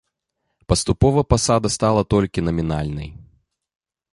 Паступова пасада стала толькі намінальнай.